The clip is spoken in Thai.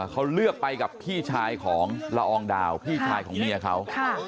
เขาเลือกไปกับพี่ชายของละอองดาวพี่ชายของเมียเขา